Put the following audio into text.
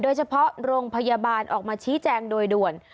โดยเฉพาะโรงพยาบาลออกมาชี้แจงโดยด่วน